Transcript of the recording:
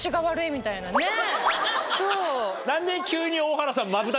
そう。